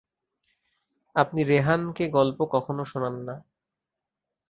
আপনি রেহান কে গল্প কখনও শোনান না।